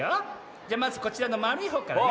じゃまずこちらのまるいほうからね。